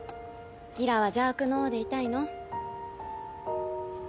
ギラは邪悪の王でいたいの？